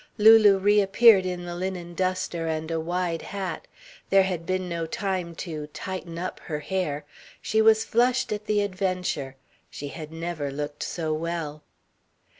Lulu reappeared in the linen duster and a wide hat. There had been no time to "tighten up" her hair; she was flushed at the adventure; she had never looked so well.